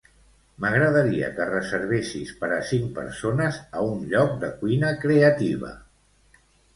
M'agradaria que reservessis per a cinc persones a un lloc de cuina creativa.